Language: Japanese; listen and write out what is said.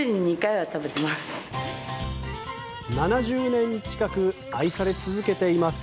７０年近く愛され続けています